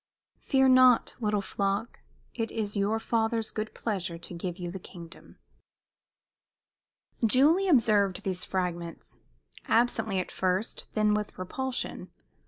"Fear not, little flock. It is your Father's good pleasure to give you the kingdom." Julie observed these fragments, absently at first, then with repulsion.